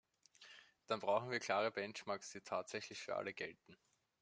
Dann brauchen wir klare Benchmarks, die tatsächlich für alle gelten.